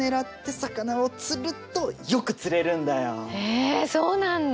えそうなんだ。